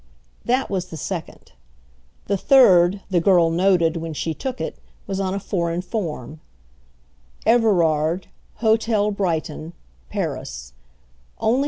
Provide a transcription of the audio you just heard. That was the second. The third, the girl noted when she took it, was on a foreign form: "Everard, Hôtel Brighton, Paris.